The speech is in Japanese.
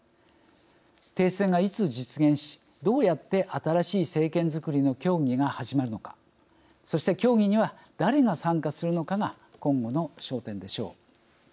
停戦がいつ実現しどうやって新しい政権づくりの協議が始まるのかそして協議には誰が参加するのかが今後の焦点でしょう。